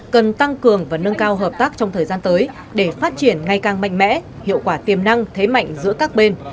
cần tăng cường và nâng cao hợp tác trong thời gian tới để phát triển ngày càng mạnh mẽ hiệu quả tiềm năng thế mạnh giữa các bên